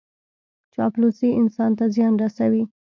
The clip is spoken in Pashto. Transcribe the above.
چاپلوسي انسان ته زیان رسوي.